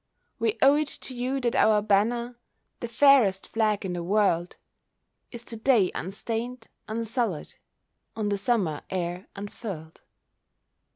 We owe it to you that our banner, The fairest flag in the world, Is to day unstained, unsullied, On the Summer air unfurled.